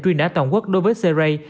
truy nã toàn quốc đối với seray